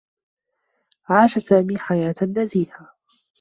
عاش سامي حياة نزيهة.